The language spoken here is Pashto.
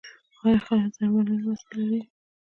آیا خلک د درملنې وس لري؟